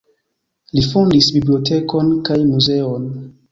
Li fondis bibliotekon kaj muzeon.